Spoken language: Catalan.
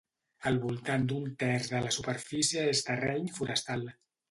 Al voltant d'un terç de la superfície és terreny forestal.